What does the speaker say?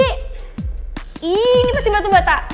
ini pasti batu bata